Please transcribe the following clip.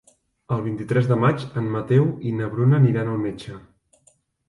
El vint-i-tres de maig en Mateu i na Bruna aniran al metge.